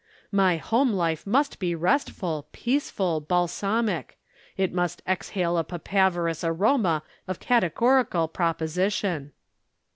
My home life must be restful, peaceful, balsamic it must exhale a papaverous aroma of categorical proposition."